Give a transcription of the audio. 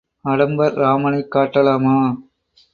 அடம்பர் இராமனைக் காட்டலாமா?